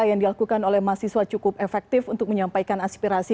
yang dilakukan oleh mahasiswa cukup efektif untuk menyampaikan aspirasi